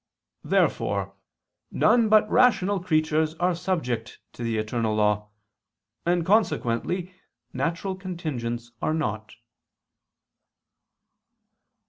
Therefore none but rational creatures are subject to the eternal law; and consequently natural contingents are not.